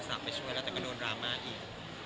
อุตส่งไปช่วยแล้วก็โดนราม่า